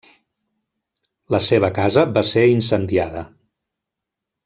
La seva casa va ser incendiada.